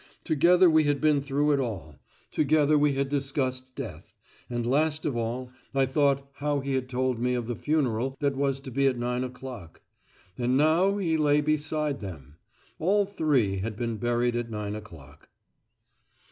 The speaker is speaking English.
Together we had been through it all: together we had discussed death: and last of all I thought how he had told me of the funeral that was to be at 9 o'clock. And now he lay beside them. All three had been buried at nine o'clock.